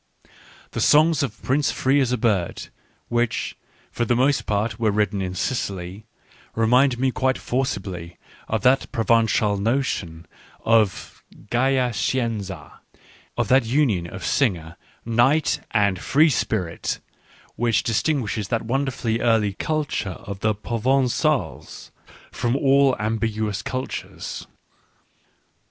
The songs of Prince Free as a Bird, which, for the most part, were written in Sicily, remind me quite for cibly of that Provencal notion of " Gaya Scienza" of that union of singer, knight, and free spirit, which distinguishes that wonderfully early culture of the Provencals from all ambiguous cultures.